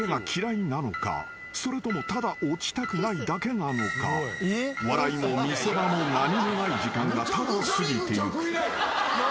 ［それともただ落ちたくないだけなのか笑いも見せ場も何もない時間がただ過ぎていく］